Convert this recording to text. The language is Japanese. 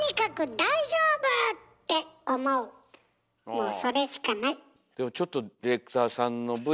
もうそれしかない。